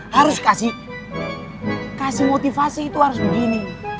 harus kasih motivasi itu harus begini